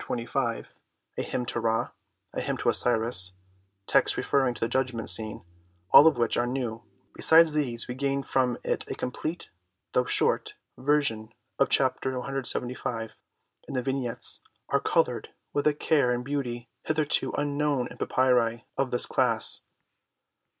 XI CXXV, a hymn to Ra, a hymn to Osiris, texts re ferring to the Judgment Scene, all of which are new ; besides these we gain from it a complete, though short, version of Chapter CLXXV, and the Vignettes are coloured with a care and beauty hitherto unknown in papyri of this class.